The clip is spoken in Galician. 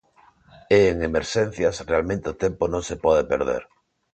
E en emerxencias realmente o tempo non se pode perder.